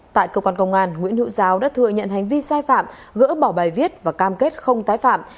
tại cơ quan công an nguyễn hữu giáo đã thừa nhận hành vi sai phạm gỡ bỏ bài viết và cam kết không tái phạm